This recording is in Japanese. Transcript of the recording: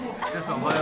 おはよう。